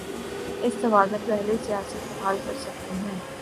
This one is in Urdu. اس توازن کو اہل سیاست بحال کر سکتے ہیں۔